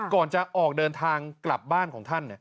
ก่อนจะออกเดินทางกลับบ้านของท่าน